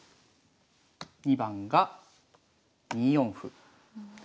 ２番が２四歩。